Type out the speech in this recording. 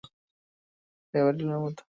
এই নাম ছেলে-মেয়ে সবার হয়, লেসলি বা বেভারলির মতো।